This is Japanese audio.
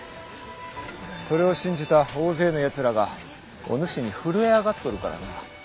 それを信じた大勢のやつらがお主に震え上がっとるからな。